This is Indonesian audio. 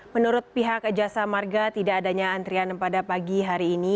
menurut pihak jasa marga tidak adanya antrian pada pagi hari ini